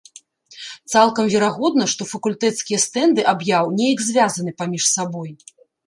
Цалкам верагодна, што факультэцкія стэнды аб'яў неяк звязаны паміж сабой.